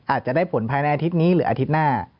อาจจะได้ผลภายในอาทิตย์นี้หรืออาทิตย์หน้า